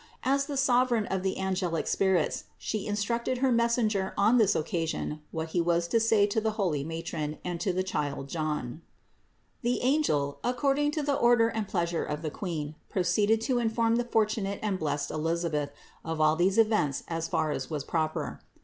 As the Sovereign of the angelic spirits She instructed her messenger on this occasion what he was to say to the holy matron and to the child John. 623. The angel, according to the order and pleasure of the Queen, proceeded to inform the fortunate and blessed Elisabeth of all these events as far as was proper.